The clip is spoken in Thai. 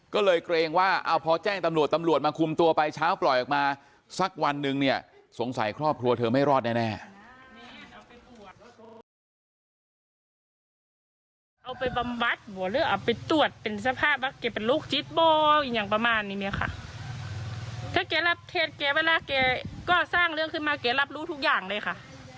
ก็สร้างเรื่องขึ้นมาเกลียดรับรู้ทุกอย่างเลยค่ะ